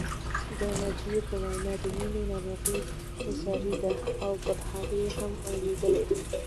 د ناجيې په وینا د مینې ناروغي ساري ده او پر هغې هم لوېدلې